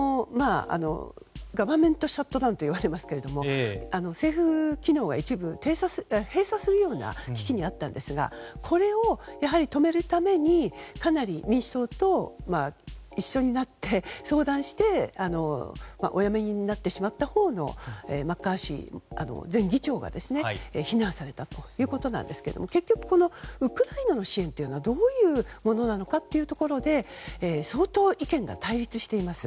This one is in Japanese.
ガバメントシャットダウンと言われますけど政府機能が一部閉鎖するような危機にあったんですがこれを止めるためにかなり民主党と一緒になって、相談してお辞めになってしまったほうのマッカーシー前議長が非難されたということなんですが結局、ウクライナの支援というのはどういうものなのかというところで相当、意見が対立しています。